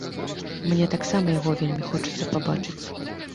Мне таксама яго вельмі хочацца пабачыць.